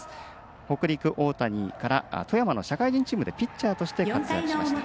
北陸大谷から富山の社会人チームでピッチャーとして活躍しました。